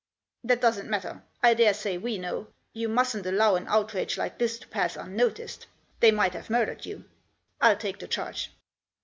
" That doesn't matter ; I daresay we know. You mustn't allow an outrage like this to pass unnoticed ; they might have murdered you. I'll take the charge."